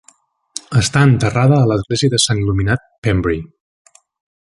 Està enterrada a l'Església de Sant Il·luminat, Pembrey.